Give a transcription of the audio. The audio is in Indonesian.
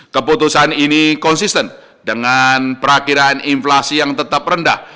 keputusan ini konsisten dengan perakhiran inflasi yang tetap rendah